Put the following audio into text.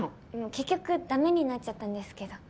結局ダメになっちゃったんですけど。